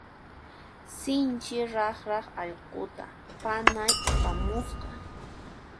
Sinchi raqraq allquta panay apamusqa.